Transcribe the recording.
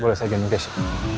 boleh saya jalan ke keisha